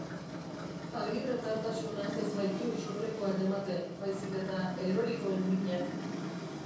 Agirretartasuna ez baitu sorlekuak ematen, baizik eta erorikoen minak.